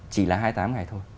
chỉ là hai mươi tám ngày thôi